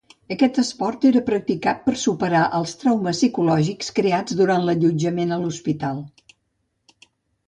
Aquest esport era practicat per superar els traumes psicològics creats durant l'allotjament a l'hospital.